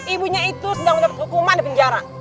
ibunya itu sedang mendapat hukuman di penjara